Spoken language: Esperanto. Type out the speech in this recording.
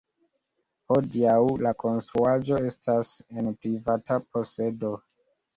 Hodiaŭ La konstruaĵo estas en privata posedo.